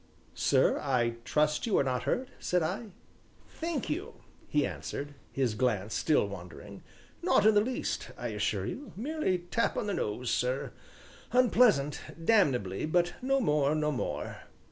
"Sir, I trust you are not hurt?" said I. "Thank you," he answered, his glance still wandering, "not in the least assure you merely tap on the nose, sir unpleasant damnably, but no more, no more."